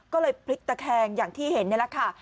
ก็เลยพลิกตะแคงอย่างที่เห็นนี่แหละค่ะ